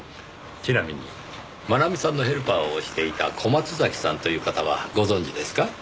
ちなみに真奈美さんのヘルパーをしていた小松崎さんという方はご存じですか？